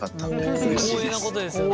光栄なことですよね。